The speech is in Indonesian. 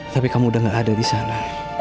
tapi kamu udah gak ada di sana